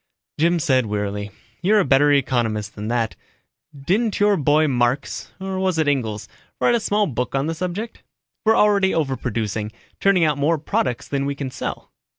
Jim said wearily, "You're a better economist than that. Didn't your boy Marx, or was it Engels, write a small book on the subject? We're already overproducing turning out more products than we can sell."